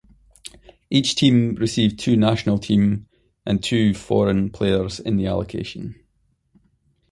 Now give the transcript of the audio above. Each team received two national team and two foreign players in the allocation.